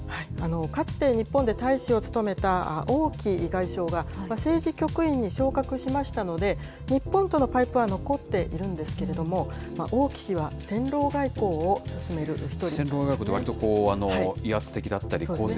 かつて日本で大使を務めた王毅外相が、政治局員に昇格しましたので、日本とのパイプは残っているんですけれども、王毅氏は戦狼外交を進める１人ですね。